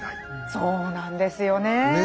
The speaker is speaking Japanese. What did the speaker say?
そうなんですよねえ。